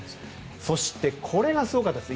そして、これがすごかったです。